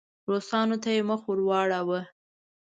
روسانو ته یې مخ واړاوه.